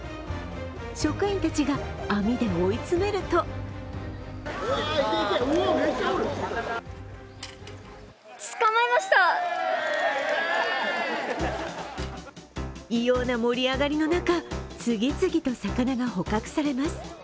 職員たちが網で追い詰めると異様な盛り上がりの中、次々と魚が捕獲されます。